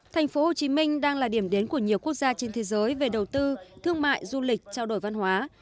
thành phố hồ chí minh đang là điểm đến của nhiều quốc gia trên thế giới về đầu tư thương mại du lịch trao đổi văn hóa